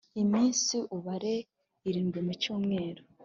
Iminsi ubare irindwi mu cyumweru